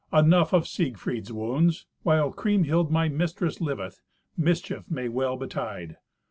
"Enough of Siegfried's wounds. While Kriemhild, my mistress, liveth, mischief may well betide.